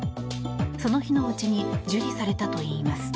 その日のうちに受理されたといいます。